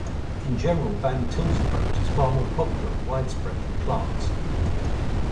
In general, Van Til's approach is far more popular and widespread than Clark's.